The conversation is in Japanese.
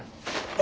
あ。